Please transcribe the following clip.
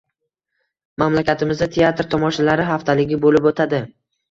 Mamlakatimizda Teatr tomoshalari haftaligi boʻlib oʻtadi